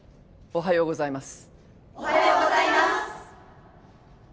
おはようございます！